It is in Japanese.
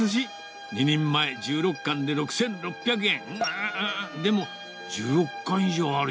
２人前１６貫で６６００円。